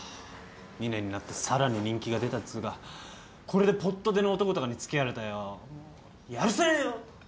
２年になってさらに人気が出たっつうかこれでぽっと出の男とかに付き合われたらよやるせねえよ。